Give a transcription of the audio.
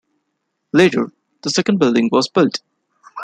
Later, the second building was built.